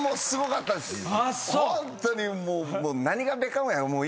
すごかったです。